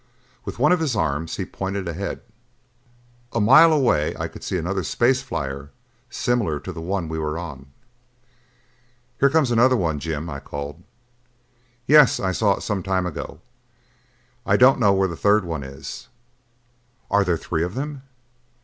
With one of his arms he pointed ahead. A mile away I could see another space flyer similar to the one we were on. "Here comes another one, Jim." I called. "Yes, I saw it some time ago. I don't know where the third one is." "Are there three of them?"